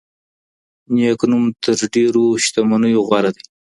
نيک نوم تر ډيرو شتمنيو غوره دی.